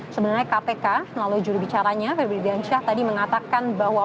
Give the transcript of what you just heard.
sebenarnya kpk melalui jurubicaranya febri diansyah tadi mengatakan bahwa